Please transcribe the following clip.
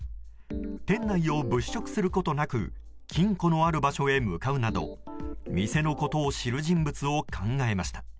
店内を物色することなく金庫のある場所へ向かうなど店のことを知る人物と考えました。